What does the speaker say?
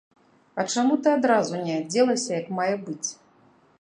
А чаму ты адразу не адзелася як мае быць?